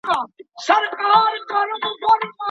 کندهارۍ جامې بې خامکه نه وي.